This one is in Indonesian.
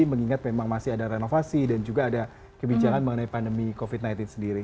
mengingat memang masih ada renovasi dan juga ada kebijakan mengenai pandemi covid sembilan belas sendiri